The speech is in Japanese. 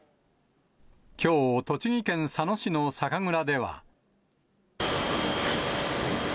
きょう、栃木県佐野市の酒蔵では。